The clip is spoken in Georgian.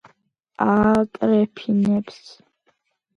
ააკრეფინებს